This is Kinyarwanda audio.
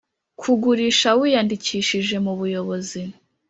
Ku ugurisha wiyandikishije mu buyobozi